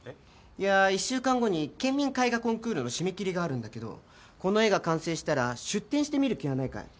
いやぁ１週間後に県民絵画コンクールの締め切りがあるんだけどこの絵が完成したら出展してみる気はないかい？